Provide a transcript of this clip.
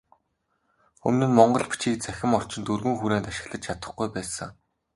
Өмнө монгол бичгийг цахим орчинд өргөн хүрээнд ашиглаж чадахгүй байсан.